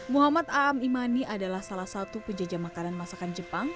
muhammad aam imani adalah salah satu penjajah makanan masakan jepang